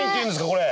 これ。